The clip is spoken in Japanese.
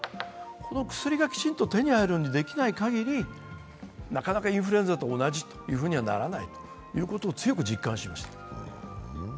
この薬がきちんと手に入るようにできないかぎりなかなかインフルエンザと同じとはならないということを強く実感しました。